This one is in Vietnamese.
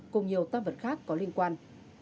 cùng nhiều toàn vật khác có liên quan